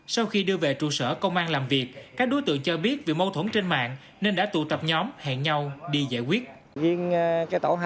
sau khi đưa về trụ sở công an làm việc các đối tượng cho biết vì mâu thuẫn trên mạng nên đã tụ tập nhóm hẹn nhau đi giải quyết